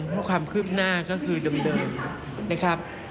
เพราะความคืบหน้าก็คือดำเนินนะครับ